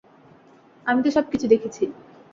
আমি তো সব কিছু দেখছি!